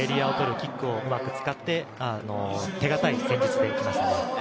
キックを使って、手堅い戦術で行きましたね。